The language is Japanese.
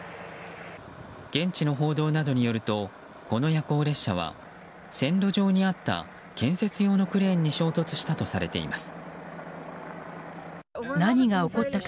現地の報道などによるとこの夜行列車は線路上にあった建設用のクレーンに衝突したとされています。